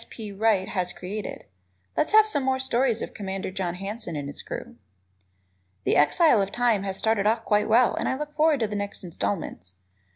P. Wright has created. Let's have some more stories of Commander John Hanson and his crew. "The Exile of Time" has started off quite well and I look forward to the next installments.